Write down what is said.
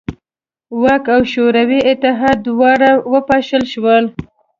واک او شوروي اتحاد دواړه وپاشل شول.